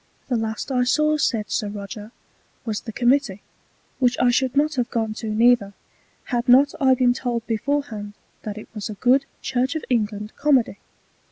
The last I saw, said Sir Roger, was the Committee, which I should not have gone to neither, had not I been told beforehand that it was a good Church of England Comedy.